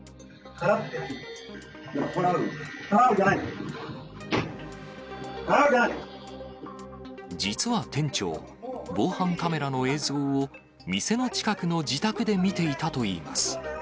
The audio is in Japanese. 払うじゃな実は店長、防犯カメラの映像を店の近くの自宅で見ていたといいます。